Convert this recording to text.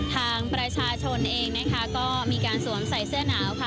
ทางประชาชนเองนะคะก็มีการสวมใส่เสื้อหนาวค่ะ